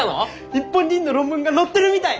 日本人の論文が載ってるみたい！